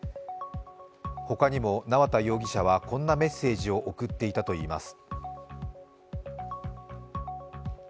他にも縄田容疑者は、こんなメッセージを送っていたといいます。